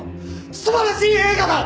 素晴らしい映画だ！